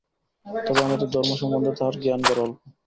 তবে আমাদের ধর্ম সম্বন্ধে তাঁহার জ্ঞান বড় অল্প।